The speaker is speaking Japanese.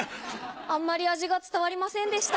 あんまり味が伝わりませんでした。